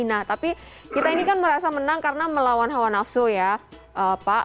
nah tapi kita ini kan merasa menang karena melawan hawa nafsu ya pak